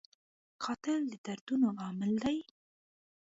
قاتل د دردونو عامل دی